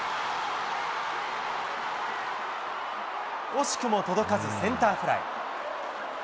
惜しくも届かずセンターフライ。